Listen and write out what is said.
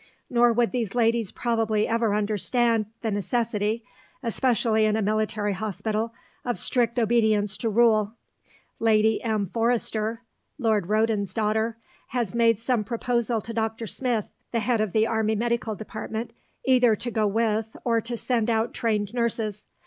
Nor would these ladies probably ever understand the necessity, especially in a military hospital, of strict obedience to rule. Lady M. Forester (Lord Roden's daughter) has made some proposal to Dr. Smith, the head of the Army Medical Department, either to go with or to send out trained nurses.